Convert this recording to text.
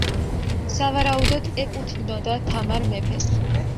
სავარაუდოდ ეკუთვნოდა თამარ მეფეს.